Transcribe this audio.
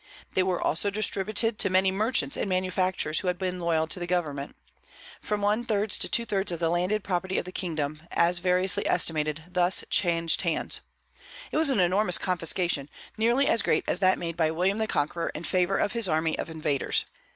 They were also distributed to many merchants and manufacturers who had been loyal to the government. From one third to two thirds of the landed property of the kingdom, as variously estimated, thus changed hands. It was an enormous confiscation, nearly as great as that made by William the Conqueror in favor of his army of invaders.